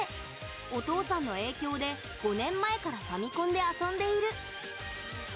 お父さんの影響で、５年前からファミコンで遊んでいる。